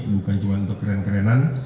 bukan cuma untuk keren kerenan